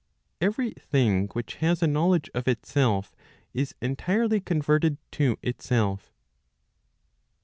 Every thing which has a knowledge of itself, is entirely converted to itself.